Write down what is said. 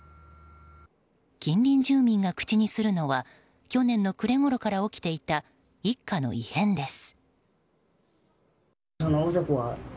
近隣住民が口にするのは去年の暮れごろから起きていた一家の異変です。